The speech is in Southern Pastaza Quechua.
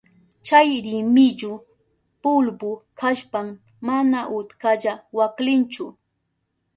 Chay rimillu pulbu kashpan mana utkalla waklinchu.